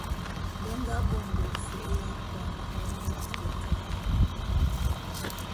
Be nga bonde fe'e ya kuane bon b'Afrikara.